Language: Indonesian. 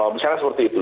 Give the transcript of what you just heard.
misalnya seperti itu